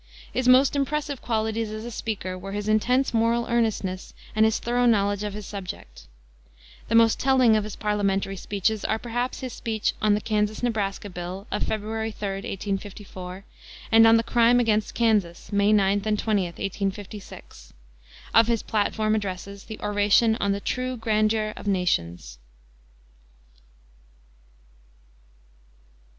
His most impressive qualities as a speaker were his intense moral earnestness and his thorough knowledge of his subject. The most telling of his parliamentary speeches are perhaps his speech On the Kansas Nebraska Bill, of February 3, 1854, and On the Crime against Kansas, May 19 and 20, 1856; of his platform addresses, the oration on the True Grandeur of Nations.